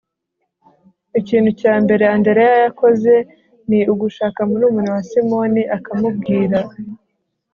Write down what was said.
ikintu cya mbere andereya yakoze ni ugushaka murumuna we simoni akamubwira